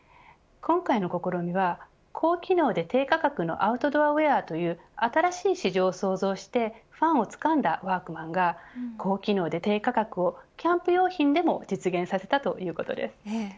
今回の試みは高機能で低価格のアウトドアウェアという新しい市場を創造してファンを掴んだワークマンが高機能で低価格をキャンプ用品でも実現させたということです。